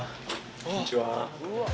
こんにちは。